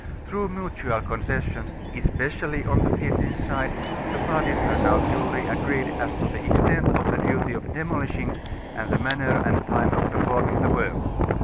Through mutual concessions, especiallj' on the Finnish side, the parties have now fully agreed as to the extent of the duty of demolishing, and the manner and time of performing the work.